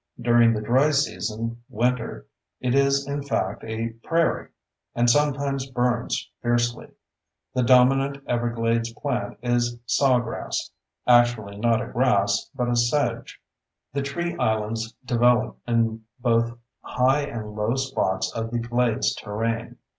During the dry season (winter) it is in fact a prairie—and sometimes burns fiercely. The dominant everglades plant is sawgrass (actually not a grass but a sedge). The tree islands develop in both high and low spots of the glades terrain.